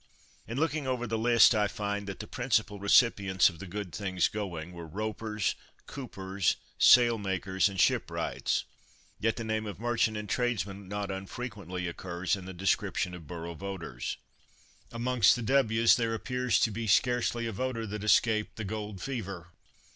In looking over the list I find that the principal recipients of the good things going, were ropers, coopers, sailmakers, and shipwrights. Yet the name of "merchant" and "tradesman" not unfrequently occurs in the descriptions of borough voters. Amongst the W's there appears to be scarcely a voter that escaped "the gold fever."